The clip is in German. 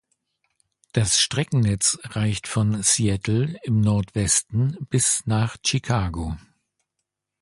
Das Streckennetz reicht von Seattle im Nordwesten bis nach Chicago.